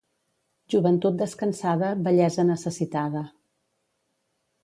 Joventut descansada, vellesa necessitada.